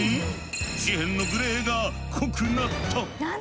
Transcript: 紙片のグレーが濃くなった！